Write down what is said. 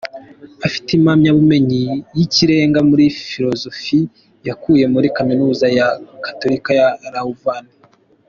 Afite impamyabumenyi y’ikirenga muri ‘philosophie’ yakuye muri Kaminuza ya Gatolika ya Louvain.